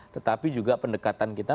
tetapi juga pendekatan kita